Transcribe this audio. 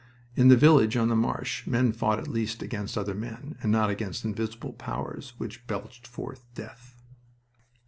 In the village on the marsh men fought at least against other men, and not against invisible powers which belched forth death.